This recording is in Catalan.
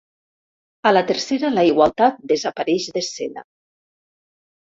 A la tercera la igualtat desapareix d'escena.